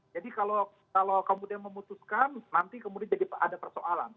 jadi kalau kemudian memutuskan nanti kemudian ada persoalan